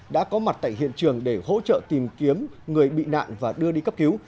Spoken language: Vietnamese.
đã có mặt tại hiện trường để hỗ trợ tìm kiếm người bị nạn và đưa đi cấp cứu